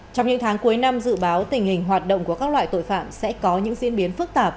trong những tháng cuối năm dự báo tình hình hoạt động của các loại tội phạm sẽ có những diễn biến phức tạp